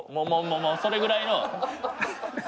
もう、それぐらいの。